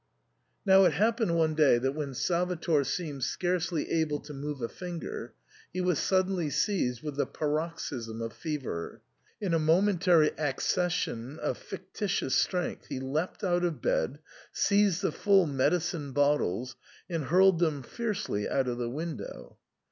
Now it happened one day that when Salvator seemed scarcely able to move a finger he was suddenly seized with the paroxysm of fever ; in a momentary accession of fictitious strength he leapt out of bed, seized the full medicine bottles, and hurled them fiercely out of the window.